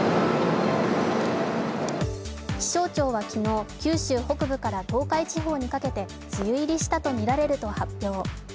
気象庁は昨日、九州北部から東海地方にかけて梅雨入りしたとみられると発表。